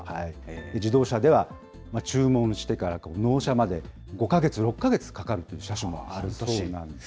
自動車では注文してから納車まで５か月、６か月かかるという車種もあるらしいです。